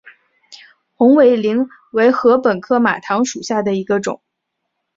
红尾翎为禾本科马唐属下的一个种。